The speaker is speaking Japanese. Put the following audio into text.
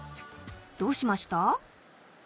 ［どうしました？］